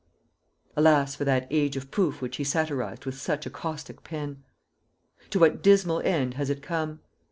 Alas for that age of pouff which he satirised with such a caustic pen! To what dismal end has it come!